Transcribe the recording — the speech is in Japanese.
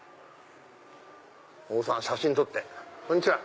お子さんの写真撮ってこんにちは！